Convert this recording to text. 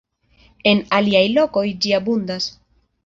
En aliaj lokoj ĝi abundas.